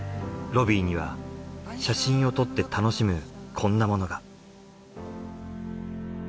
ロビーには写真を撮って楽しむこんなものが。